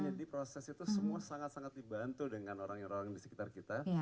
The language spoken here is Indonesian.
jadi proses itu semua sangat sangat dibantu dengan orang orang di sekitar kita